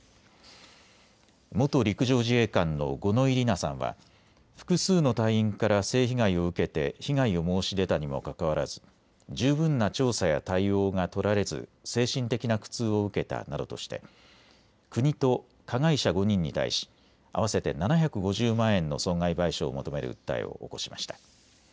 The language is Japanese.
元陸上自衛官の五ノ井里奈さんは複数の隊員から性被害を受けて被害を申し出たにもかかわらず十分な調査や対応が取られず精神的な苦痛を受けたなどとして国と加害者５人に対し合わせて７５０万円の損害賠償を求める訴えを起こしました。